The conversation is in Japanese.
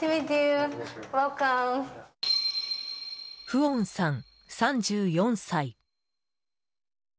フオンさん、３４歳。